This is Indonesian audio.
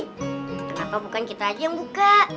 kenapa bukan kita aja yang buka